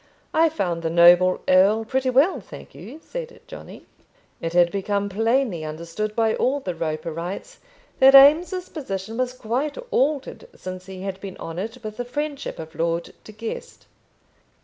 "I found the noble earl pretty well, thank you," said Johnny. It had become plainly understood by all the Roperites that Eames's position was quite altered since he had been honoured with the friendship of Lord De Guest.